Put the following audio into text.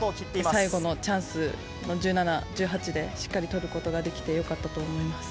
最後のチャンスの１７、１８でしっかり取ることができて、よかったと思います。